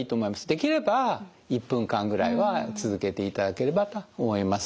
できれば１分間ぐらいは続けていただければと思います。